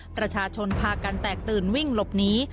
ประชาชนพากันแตกตื่นวิ่งหลบหนี